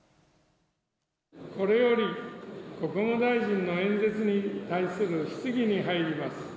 これより国務大臣の演説に対する質疑に入ります。